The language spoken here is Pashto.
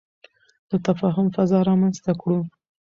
د تفاهم فضا رامنځته کړو.